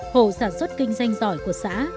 hộ sản xuất kinh doanh giỏi của xã